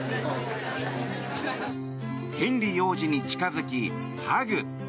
ヘンリー王子に近づきハグ。